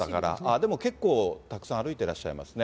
でも結構、たくさん歩いてらっしゃいますね。